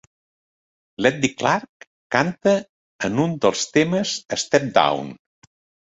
L'Eddie Clark canta en un dels temes:"Step Down".